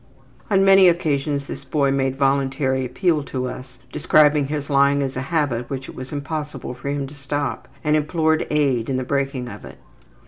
On many occasions this boy made voluntary appeal to us, describing his lying as a habit which it was impossible for him to stop, and implored aid in the breaking of it.